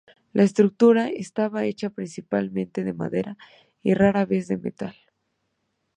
La estructura estaba hecha principalmente de madera, y rara vez de metal.